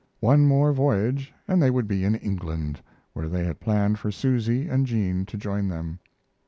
One more voyage and they would be in England, where they had planned for Susy and Jean to join them.